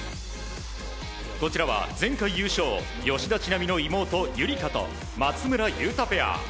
こちらは、前回優勝吉田知那美の妹・夕梨花と松村雄太ペア。